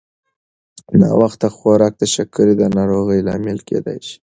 ناوخته خوراک د شکرې د ناروغۍ لامل کېدای شي.